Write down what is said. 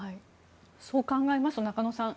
そう考えますと中野さん